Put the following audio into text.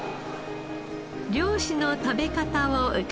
漁師の食べ方を伺います。